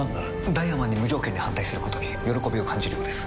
ダイワマンに無条件に反対することに喜びを感じるようです。